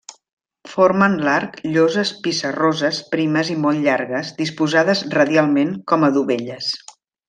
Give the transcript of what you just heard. Formen l'arc lloses pissarroses primes i molt llargues disposades radialment com a dovelles.